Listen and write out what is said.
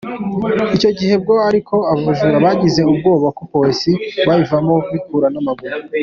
Icyo gihe bwo ariko abajura bagize ubwoba bwa Polisi bayivamo biruka n’amaguru.